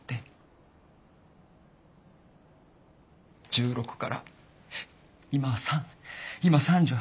１６から今３今３８。